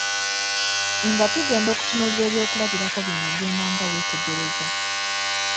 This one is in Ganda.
Nga tugenda okutunuulira ebyokulabirako bino ogendanga wetegereza.